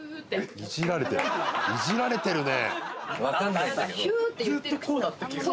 いじられてるね。